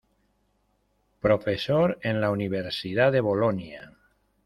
Profesor en la Universidad de Bolonia.